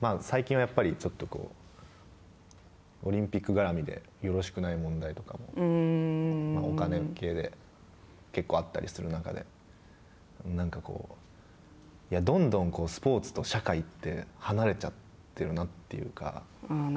最近は、やっぱりちょっとこうオリンピック絡みでよろしくない問題とかもお金系で結構あったりする中で何かこうどんどんスポーツと社会って離れちゃってるなというか。